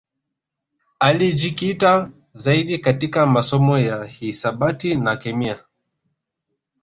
Alijikita zaidi katika masomo ya hisabati na kemia